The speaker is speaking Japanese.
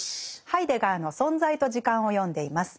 ハイデガーの「存在と時間」を読んでいます。